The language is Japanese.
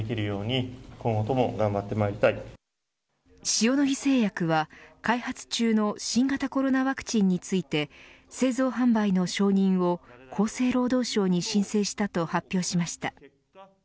塩野義製薬は開発中の新型コロナワクチンについて製造販売の承認を、厚生労働省に申請したと発表しました。